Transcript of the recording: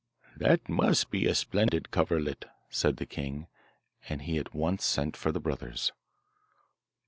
'That must be a splendid coverlet,' said the king, and he at once sent for the brothers.